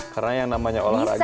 karena yang namanya olahraga